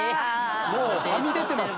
もうはみ出てます。